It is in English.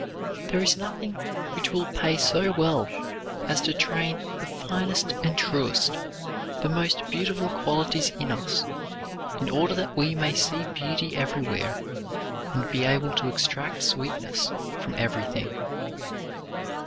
There is nothing which will pay so well as to train the finest and truest, the most beautiful qualities in us in order that we may see beauty everywhere and be able to extract sweetness from everything.